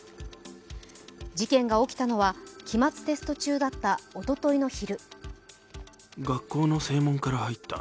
事件が起きたのは期末テスト中だったおとといの昼。